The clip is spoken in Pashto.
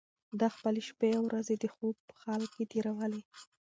ده خپلې شپې او ورځې د خوب په حال کې تېرولې.